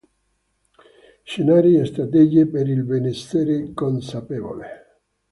Scenari e strategie per il benessere consapevole".